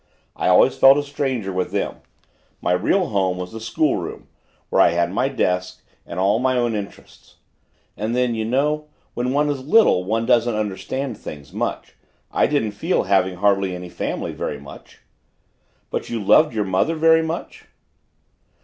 I always felt a stranger with them; my real home was the school room, where I had my desk and all my own interests. And then, you know, when one is little one doesn't understand things much; I didn't feel having hardly any family, very much." "But you loved your mother very much?"